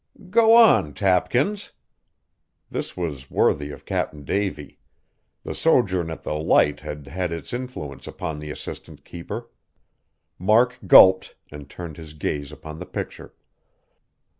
"Go on, Tapkins!" This was worthy of Cap'n Davy. The sojourn at the Light had had its influence upon the assistant keeper. Mark gulped and turned his gaze upon the picture.